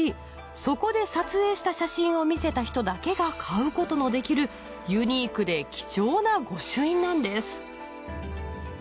そこで撮影した写真を見せた人だけが買うことのできるユニークで貴重な御朱印なんです